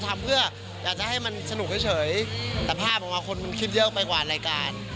ทำเพื่ออยากจะให้มันสนุกเฉยแต่ภาพออกมาคนมันคิดเยอะไปกว่ารายการ